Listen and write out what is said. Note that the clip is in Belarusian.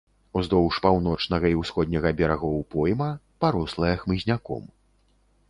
Уздоўж паўночнага і ўсходняга берагоў пойма, парослая хмызняком.